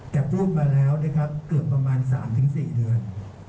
แต่พูดมาแล้วเกือบประมาณ๓๔เดือน